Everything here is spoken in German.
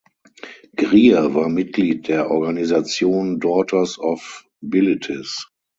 Grier war Mitglied der Organisation Daughters of Bilitis.